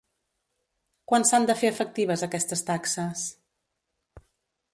Quan s'han de fer efectives aquestes taxes?